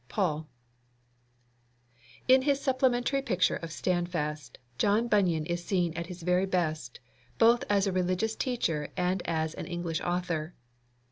Paul. In his supplementary picture of Standfast John Bunyan is seen at his very best, both as a religious teacher and as an English author.